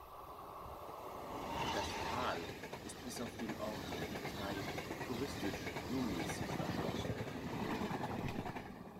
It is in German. Das Tal ist bis auf den Ort Kühtai touristisch nur mäßig erschlossen.